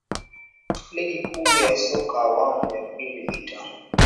ligi kuu ya soka awamu ya pili ita